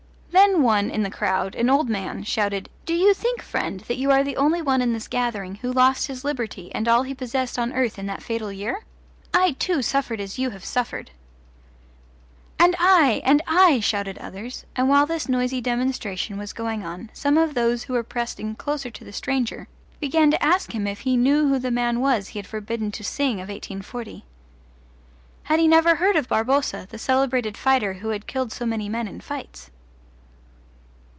Then one in the crowd, an old man, shouted: "Do you think, friend, that you are the only one in this gathering who lost his liberty and all he possessed on earth in that fatal year? I, too, suffered as you have suffered " "And I!" "And I!" shouted others, and while this noisy demonstration was going on some of those who were pressing close to the stranger began to ask him if he knew who the man was he had forbidden to sing of 1840? Had he never heard of Barboza, the celebrated fighter who had killed so many men in fights?